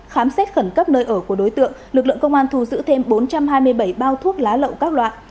khám xét khẩn cấp nơi ở của đối tượng lực lượng công an thu giữ thêm bốn trăm hai mươi bảy bao thuốc lá lậu các loại